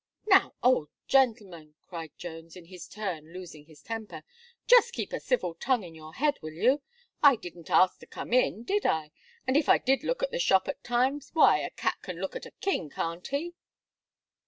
"Now, old gentleman!" cried Jones, in his turn losing his temper, "just keep a civil tongue in your head, will you? I didn't ask to come in, did I? And if I did look at the shop at times, why, a cat can look at a king, can't he?"